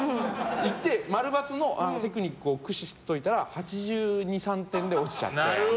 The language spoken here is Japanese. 行って○×のテクニックを駆使して解いたら８２８３点で落ちちゃって。